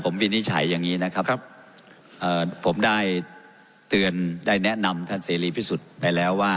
ผมวินิจฉัยอย่างนี้นะครับผมได้เตือนได้แนะนำท่านเสรีพิสุทธิ์ไปแล้วว่า